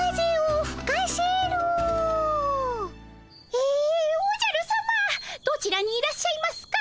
えおじゃるさまどちらにいらっしゃいますか？